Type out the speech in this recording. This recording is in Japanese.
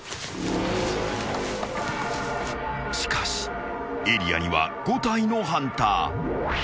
［しかしエリアには５体のハンター］